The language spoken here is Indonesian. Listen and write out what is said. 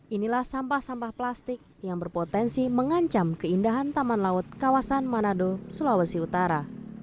inilah sampah sampah plastik yang berpotensi mengancam keindahan taman laut kawasan manado sulawesi utara